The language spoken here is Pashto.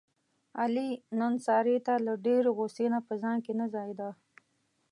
علي نن سارې ته له ډېرې غوسې نه په ځان کې نه ځایېدا.